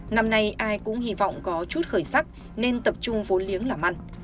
năm nay ai cũng hy vọng có chút khởi sắc nên tập trung vốn liếng làm ăn